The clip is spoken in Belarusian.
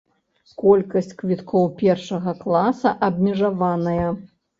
Колькасць квіткоў першага класа абмежаваная!